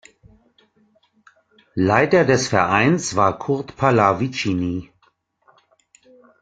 Leiter des Vereins war Kurt Pallavicini.